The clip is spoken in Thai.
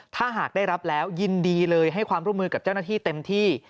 ถ้าหากได้รับแล้วยินดีเลยให้ความร่วมมือกับเจ้าหน้าที่เต็มที่